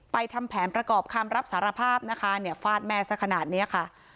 ทำแผนประกอบคำรับสารภาพนะคะเนี่ยฟาดแม่สักขนาดนี้ค่ะ